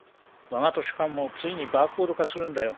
わが図書館もついにバーコード化するんだよ